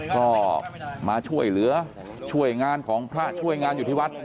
ก็มาช่วยเหลือช่วยงานของพระช่วยงานอยู่ที่วัด